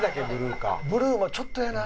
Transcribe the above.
「ブルーもちょっとやな。